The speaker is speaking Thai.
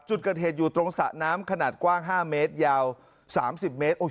จุดเกิดเหตุอยู่ตรงสระน้ำขนาดกว้างห้าเมตรยาวสามสิบเมตรโอ้ย